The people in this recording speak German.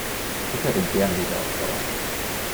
Ich hätte gerne diese Ausdauer.